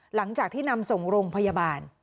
หลังจากที่นำส่งโรงพยาบาล